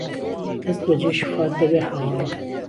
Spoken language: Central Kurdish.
دهست به جێ شفات دهبێ حهواڵه